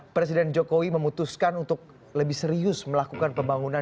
presiden jokowi memutuskan untuk lebih serius melakukan pembangunan